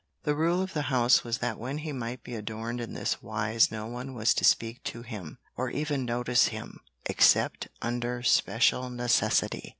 The rule of the house was that when he might be adorned in this wise no one was to speak to him, or even notice him, except under special necessity.